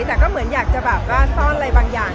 แต่ก็เหมือนอยากจะแบบว่าซ่อนอะไรบางอย่าง